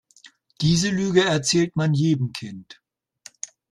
Diese Lüge erzählt man jedem Kind.